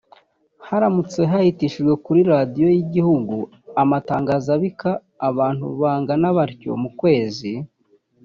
haramutse hahitishijwe kuri Radio y’ igihugu amatangazo abika abantu bangana batyo mu kwezi